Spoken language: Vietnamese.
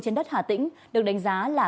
trên đất hà tĩnh được đánh giá là